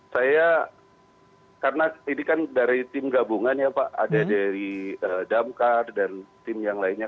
saya karena ini kan dari tim gabungan ya pak ada dari damkar dan tim yang lainnya